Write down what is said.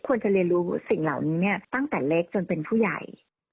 ควรจะเรียนรู้สิ่งเหล่านี้เนี่ยตั้งแต่เล็กจนเป็นผู้ใหญ่